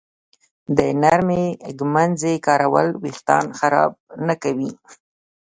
د نرمې ږمنځې کارول وېښتان خراب نه کوي.